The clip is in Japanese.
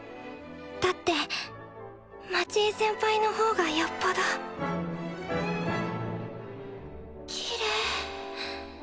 だって町井先輩のほうがよっぽどきれい。